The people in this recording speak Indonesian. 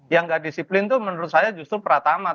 yang gak disiplin itu menurut saya justru prata ma arshan